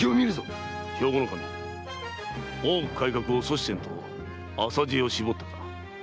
兵庫守大奥改革を阻止せんと浅知恵をしぼったか。